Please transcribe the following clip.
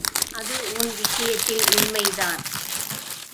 அது உன் விஷயத்தில் உண்மைதான்.